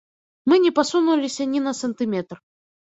Мы не пасунуліся ні на сантыметр.